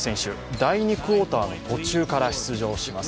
第２クオーターの途中から出場します。